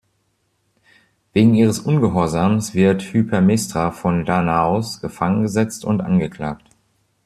Wegen ihres Ungehorsams wird Hypermestra von Danaos gefangen gesetzt und angeklagt.